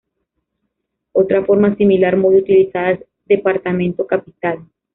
Otra forma similar muy utilizada es departamento Capital;